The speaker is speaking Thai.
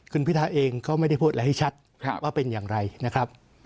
คุณพิทาเองก็ไม่ได้พูดอะไรให้ชัดว่าเป็นอย่างไรนะครับ